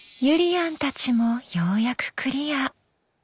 ゆりやんたちもようやくクリア。